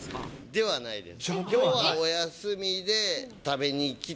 ではないです。